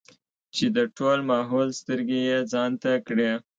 چې د ټول ماحول سترګې يې ځان ته کړې ـ